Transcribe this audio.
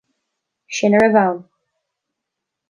Sin a raibh ann.